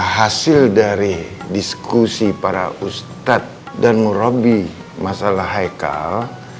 hasil dari diskusi para ustadz dan murabi masalah haikal